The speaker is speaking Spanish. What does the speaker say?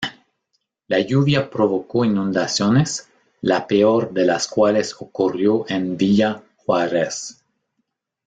La lluvia provocó inundaciones, la peor de las cuales ocurrió en Villa Juárez.